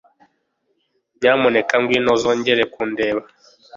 Nyamuneka ngwino uzongere kundeba.